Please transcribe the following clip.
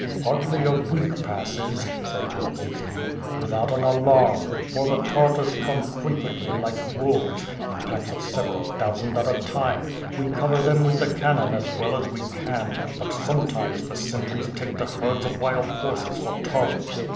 "Hardly a week passes," said Grodzitski, "without an alarm; for the Tartars come frequently like wolves, in packs of several thousand at a time; we cover them with the cannon as well as we can, but sometimes the sentries take the herds of wild horses for Tartars."